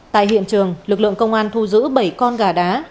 tại hiện trường lực lượng công an thu giữ bảy con gà đá